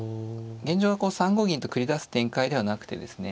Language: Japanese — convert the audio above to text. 現状は３五銀と繰り出す展開ではなくてですね